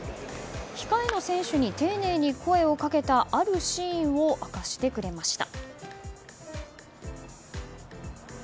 控えの選手に丁寧に声をかけたあるシーンを明かしてくれました。